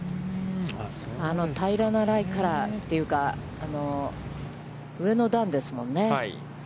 平らなライからというか、上の段ですもんね。